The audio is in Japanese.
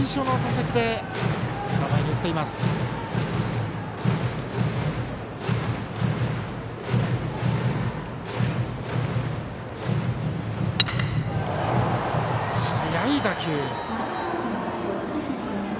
速い打球。